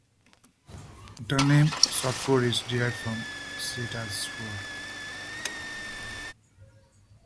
The name Shutford is derived from Scytta's Ford.